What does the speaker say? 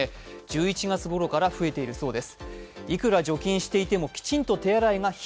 １１月ごろから増えているそうです。